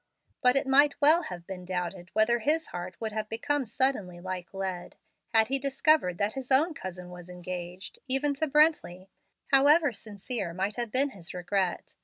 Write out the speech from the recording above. But it might well have been doubted whether his heart would have become suddenly like lead, had he discovered that his own cousin was engaged, even to Brently, however sincere might have been his regret.